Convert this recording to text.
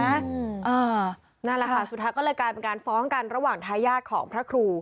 นั่นแหละค่ะสุดท้ายก็เลยกลายเป็นการฟ้องกันระหว่างทายาทของพระครู